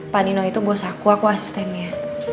pak nino itu bos aku aku asistennya